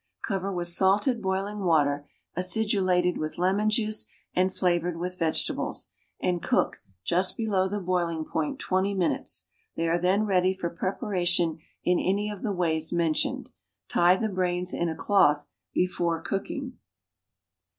Cover with salted boiling water, acidulated with lemon juice and flavored with vegetables, and cook, just below the boiling point, twenty minutes. They are then ready for preparation in any of the ways mentioned. Tie the brains in a cloth before cooking.